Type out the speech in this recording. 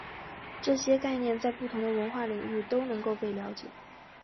这些概念在不同的文化领域都能够被了解。